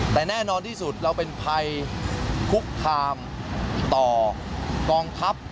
แต่แน่นอนที่สุดเราเป็นภัยคุกคามต่อกองทัพ